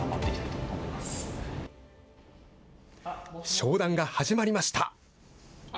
商談が始まりました。